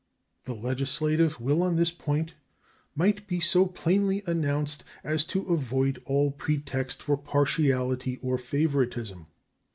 The legislative will on this point might be so plainly announced as to avoid all pretext for partiality or favoritism.